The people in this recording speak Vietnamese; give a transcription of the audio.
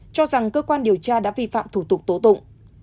cho rằng cơ quan điều tra đã vi phạm thủ tục tố tụng